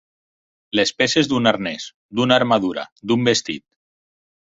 Les peces d'un arnès, d'una armadura, d'un vestit.